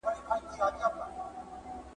د نړۍ رنګونه هره ورځ بدلیږي ,